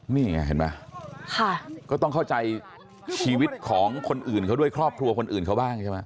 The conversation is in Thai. นี่ไงเห็นไหมก็ต้องเข้าใจชีวิตของคนอื่นเขาด้วยครอบครัวคนอื่นเขาบ้างใช่ไหม